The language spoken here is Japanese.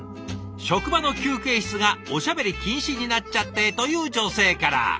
職場の休憩室がおしゃべり禁止になっちゃってという女性から。